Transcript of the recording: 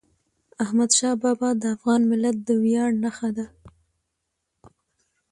احمدشاه بابا د افغان ملت د ویاړ نښه ده.